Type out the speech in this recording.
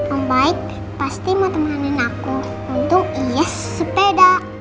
ombaik pasti mau temanin aku untuk hias sepeda